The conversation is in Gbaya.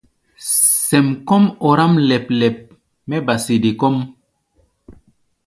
Sɛm kɔ́ʼm ɔráʼm lɛp-lɛp mɛ́ ba sede kɔ́ʼm.